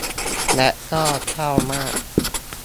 และก็เศร้ามาก